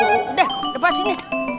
udah lepas sini